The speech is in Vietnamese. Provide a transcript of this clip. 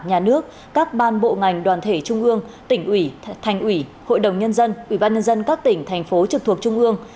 nhà nước các ban bộ ngành đoàn thể trung ương tỉnh ủy thành ủy hội đồng nhân dân ủy ban nhân dân các tỉnh thành phố trực thuộc trung ương